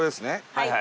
はい。